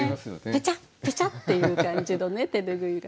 ペチャッペチャッていう感じの手拭いが。